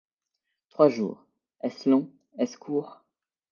Trois jours, est-ce long, est-ce court?